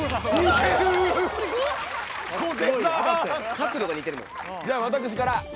角度が似てるもん。